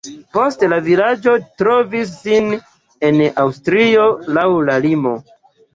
Poste la vilaĝo trovis sin en Aŭstrio, laŭ la limo.